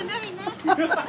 ハハハハ！